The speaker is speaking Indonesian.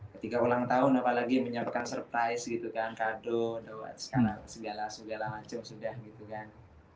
ketika ulang tahun apalagi menyiapkan surprise gitu kan kado lewat sekarang segala segala macam sudah gitu kan